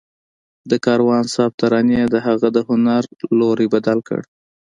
د کاروان صاحب ترانې د هغه د هنر لوری بدل کړ